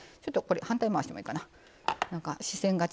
反対回してもいいかな。